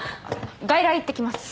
外来行ってきます。